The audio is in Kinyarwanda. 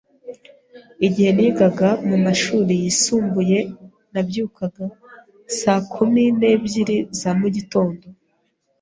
Igihe nigaga mumashuri yisumbuye, nabyukaga saa kumi n'ebyiri za mugitondo.